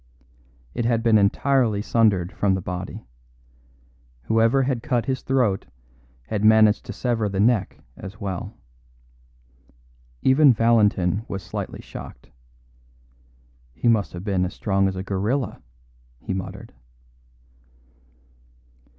It had been entirely sundered from the body; whoever had cut his throat had managed to sever the neck as well. Even Valentin was slightly shocked. "He must have been as strong as a gorilla," he muttered.